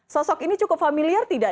sosok ini cukup familiar tidak